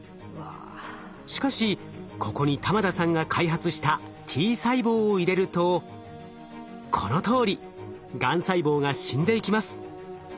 しかしここに玉田さんが開発したＴ細胞を入れるとこのとおりがん細胞が死んでいきます。